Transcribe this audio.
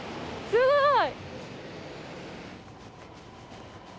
すごい！